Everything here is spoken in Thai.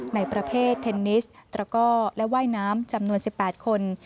ในประเภทเทนนิสตระก้อและว่ายน้ำจำนวน๑๘คน